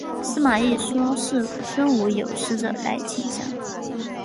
司马懿说是孙吴有使者来请降。